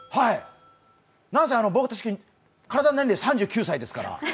なんせ体年齢３９歳ですから。